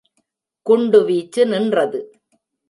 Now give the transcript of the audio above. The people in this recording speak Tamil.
குண்டு வீச்சு நின்றது.